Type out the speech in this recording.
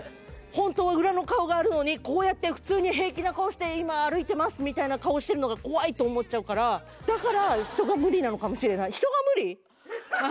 ホントは裏の顔があるのにこうやって普通に平気な顔して今歩いてますみたいな顔してるのが怖いと思っちゃうからホントですか？